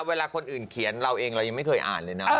เวลาคนอื่นเขียนเราเองเรายังไม่เคยอ่านเลยนะ